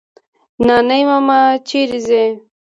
نانی ماما چيري ځې؟